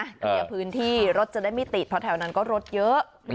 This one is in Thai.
เคลียร์พื้นที่รถจะได้ไม่ติดเพราะแถวนั้นก็รถเยอะ